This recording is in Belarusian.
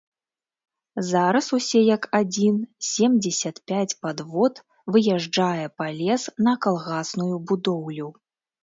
Зараз усе як адзін семдзесят пяць падвод выязджае па лес на калгасную будоўлю.